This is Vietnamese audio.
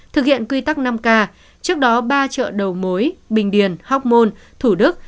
thực hiện quy tắc năm k trước đó ba chợ đầu mối bình điền hóc môn thủ đức